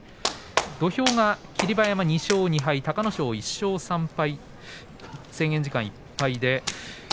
土俵が霧馬山２勝２敗隆の勝１勝３敗、制限時間いっぱい。